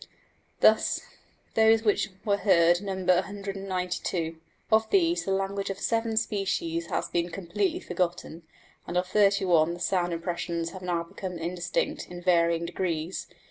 Thus, those which were heard number 192. Of these the language of 7 species has been completely forgotten, and of 31 the sound impressions have now become indistinct in varying degrees.